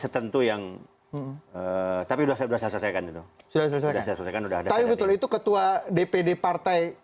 setentu yang tapi sudah selesaikan itu sudah selesaikan sudah selesaikan itu ketua dpd partai